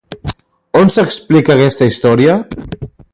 On s'explica aquesta història?